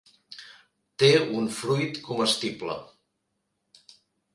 Té un fruit comestible.